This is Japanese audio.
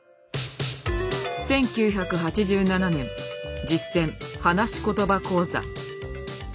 １９８７年「実践・はなしことば講座」。